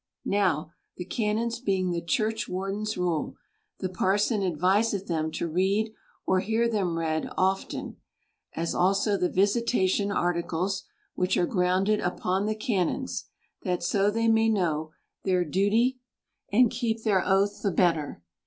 — Now, the canons being the church wardens' rule, the parson adviseth them to read or hear them read often, as also the visitation articles, which are grounded upon the canons ; that so they may know their duty and 64 THE COUNTRY PARSON. keep their oath the better.